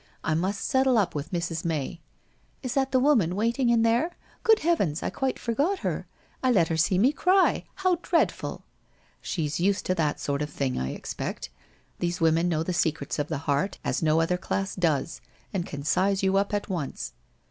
I must settle up with Mrs. May '' Is that the woman waiting in there ? Good heavens, I quite forgot her ! I let her see me cry. How dreadful !?' She's used to that sort of thing, I expect. These WHITE ROSE OF WEARY LEAF 425 •women know the secrets of the heart, as no other class does, and can size you up at once.'